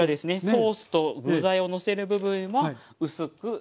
ソースと具材をのせる部分は薄くしています。